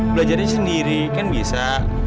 belajarnya sendiri kan bisa